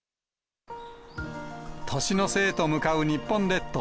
年の瀬へと向かう日本列島。